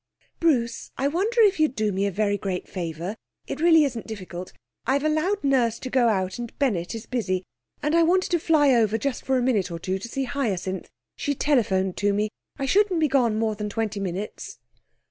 'Bruce, I wonder if you'd do me a very great favour? It really isn't difficult. I've allowed nurse to go out and Bennett is busy, and I wanted to fly over just for a minute or two to see Hyacinth. She telephoned to me. I shouldn't be gone more than twenty minutes.'